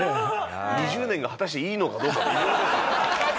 ２０年が果たしていいのかどうか微妙ですよね。